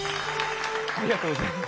ありがとうございます。